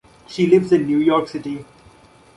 She lives in New York City.